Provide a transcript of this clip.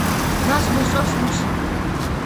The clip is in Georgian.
მას მოსწონს მუსიკა